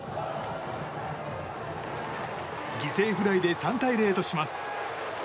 犠牲フライで３対０とします。